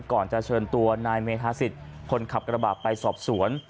ก่อนจะเชิญตัวนายเมธาสิทธิ์คนขับกระบาดไปสอบสวน